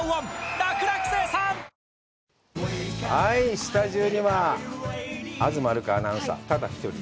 スタジオには東留伽アナウンサー、ただ１人。